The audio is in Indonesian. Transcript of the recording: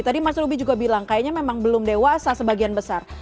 tadi mas ruby juga bilang kayaknya memang belum dewasa sebagian besar